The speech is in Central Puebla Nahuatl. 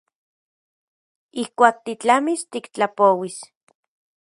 Ijkuak titlamis tiktlapouis.